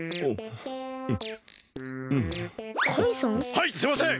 はいすみません！